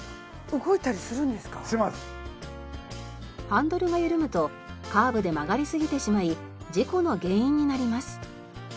ハンドルが緩むとカーブで曲がりすぎてしまい事故の原因になります。